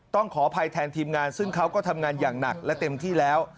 ขออภัยแทนทีมงานซึ่งเขาก็ทำงานอย่างหนักและเต็มที่แล้ว